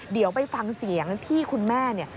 เดี๋ยวไปฟังเสียงที่คุณแม่เนี่ย